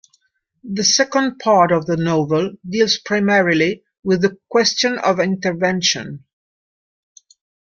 The second part of the novel deals primarily with the question of intervention.